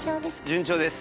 順調です。